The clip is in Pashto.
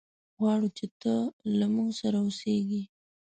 غواړو چې ته له موږ سره اوسېږي.